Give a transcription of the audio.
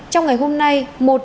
trong ngày hôm nay